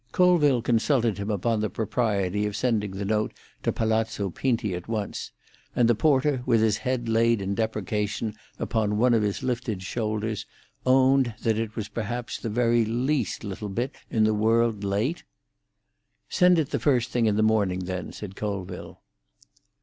Colville consulted him upon the propriety of sending the note to Palazzo Pinti at once, and the porter, with his head laid in deprecation upon one of his lifted shoulders, owned that it was perhaps the very least little bit in the world late. "Send it the first thing in the morning, then," said Colville.